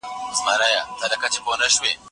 ما پرون په کتابتون کي د تاریخ په اړه څېړنه کوله.